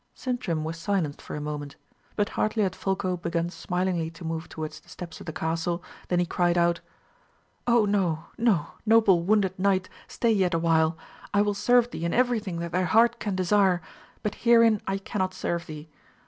Sintram was silenced for a moment; but hardly had Folko begun smilingly to move towards the steps of the castle, than he cried out, "Oh, no, no, noble wounded knight, stay yet awhile; I will serve thee in everything that thy heart can desire; but herein I cannot serve thee.